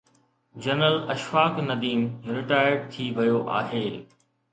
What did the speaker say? General Ashfaq Nadeem retired ٿي ويو آهي.